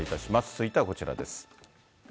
続いてはこちらです。